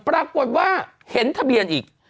ปรากฏว่าเห็นทะเบียนอีก